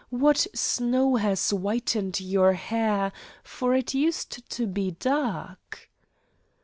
What snow has whitened your hair, for it used to be dark?"